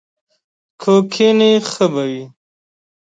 که کښېنې ښه به وي!